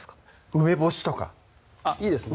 梅干しとかあっいいですね